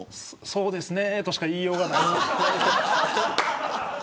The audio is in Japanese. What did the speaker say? そうですねとしか言いようがない。